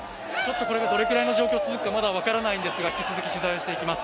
これがどれくらいの状況続くか分からないんですが、引き続き取材をしていきます。